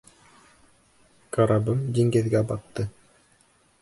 Карабым диңгеҙгә батты.